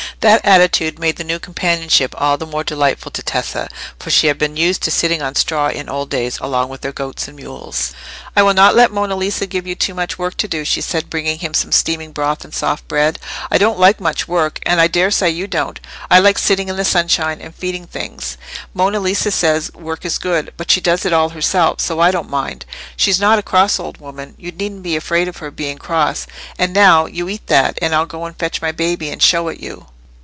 That attitude made the new companionship all the more delightful to Tessa, for she had been used to sitting on straw in old days along with her goats and mules. "I will not let Monna Lisa give you too much work to do," she said, bringing him some steaming broth and soft bread. "I don't like much work, and I daresay you don't. I like sitting in the sunshine and feeding things. Monna Lisa says, work is good, but she does it all herself, so I don't mind. She's not a cross old woman; you needn't be afraid of her being cross. And now, you eat that, and I'll go and fetch my baby and show it you."